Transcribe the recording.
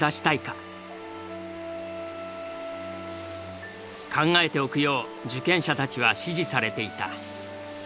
考えておくよう受験者たちは指示されていた。